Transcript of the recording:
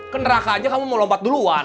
ke neraka aja kamu mau lompat duluan